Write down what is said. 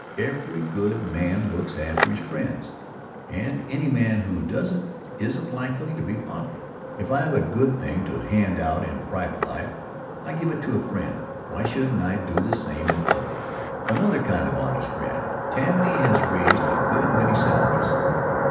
Every good man looks after his friends, and any man who doesn't isn't likely to be popular. If I have a good thing to hand out in private life, I give it to a friend Why shouldn't I do the same in public life? Another kind of honest graft. Tammany has raised a good many salaries.